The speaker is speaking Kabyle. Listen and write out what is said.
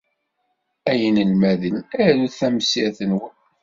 Ay inelmaden, arut tamsirt-nwen.